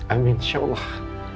amin insya allah